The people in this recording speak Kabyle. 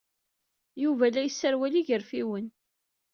Yuba la yesserwal igerfiwen.